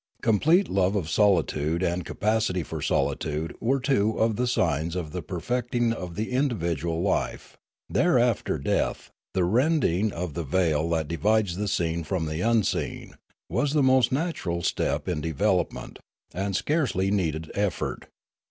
Complete love of solitude and capacity for solitude were two of the signs of the perfecting of the individual life; thereafter death, the rending of the veil that divides the seen from the unseen, was the most natural step in develop ment, and scarcely needed effort.